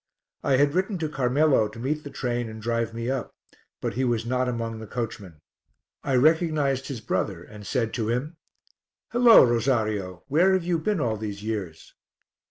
I had written to Carmelo to meet the train and drive me up, but he was not among the coachmen. I recognized his brother, and said to him "Hullo! Rosario, where have you been all these years?"